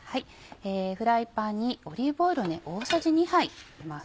フライパンにオリーブオイルを大さじ２杯入れます。